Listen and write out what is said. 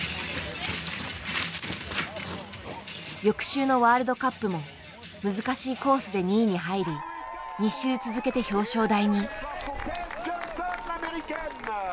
翌週のワールドカップも難しいコースで２位に入り２週続けて表彰台に。